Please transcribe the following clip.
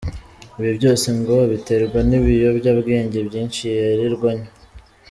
Ibi byose ngo abiterwa n’ibiyobya bwenge byinshi yirirwa anywa.